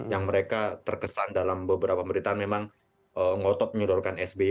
yang mereka terkesan dalam beberapa pemerintahan memang ngotot menyodorkan sby